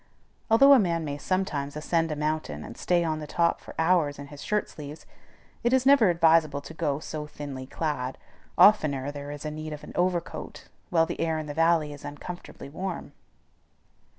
Although a man may sometimes ascend a mountain, and stay on the top for hours, in his shirt sleeves, it is never advisable to go so thinly clad; oftener there is need of an overcoat, while the air in the valley is uncomfortably warm.